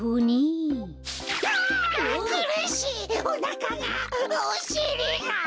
おなかが！